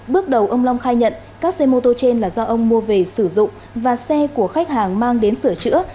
bước đầu ông long khai nhận các xe mô tô trên là do ông mua về sử dụng và xe của khách hàng mang đến sửa chữa